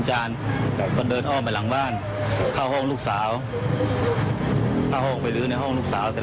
แล้วก็ตังค์ประมาณ๒๐๐๐กว่าบาท